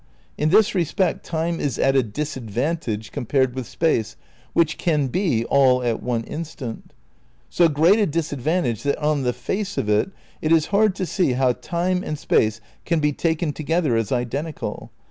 In this respect Time is at a disadvantage compared with Space which can be all at an instant; so great a disadvantage that on the face of it it is hard to see how Time and Space can be taken together as identical.